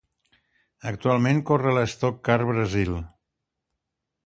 Actualment corre a l'Stock Car Brasil.